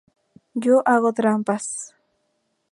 Yo hago trampas.